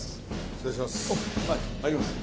失礼します。